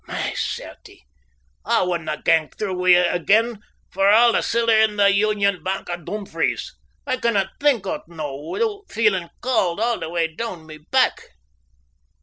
My certie! I wouldna gang through wi' it again for a' the siller at the Union Bank of Dumfries, I canna think o't noo withoot feelin' cauld a' the way doon my back.